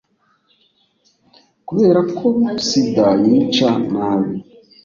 kubera ko sida yica nabi,